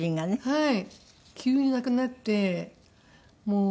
はい。